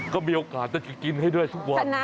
ก็มีโอกาสจะกินให้ด้วยทุกวัน